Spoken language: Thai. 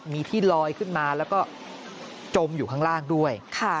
มีที่ลอยขึ้นมาแล้วก็จมอยู่ข้างล่างด้วย